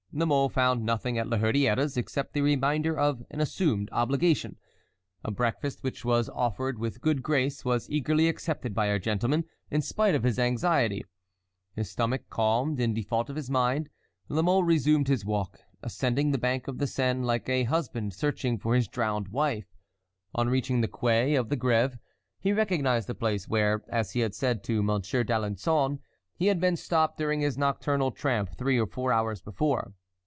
La Mole found nothing at La Hurière's except the reminder of the assumed obligation. A breakfast which was offered with good grace was eagerly accepted by our gentleman, in spite of his anxiety. His stomach calmed in default of his mind, La Mole resumed his walk, ascending the bank of the Seine like a husband searching for his drowned wife. On reaching the quay of the Grève, he recognized the place where, as he had said to Monsieur d'Alençon, he had been stopped during his nocturnal tramp three or four hours before.